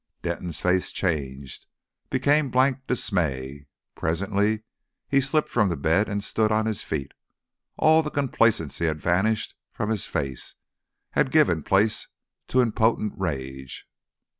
Denton's face changed became blank dismay. Presently he slipped from the bed and stood on his feet. All the complacency had vanished from his face, had given place to impotent rage.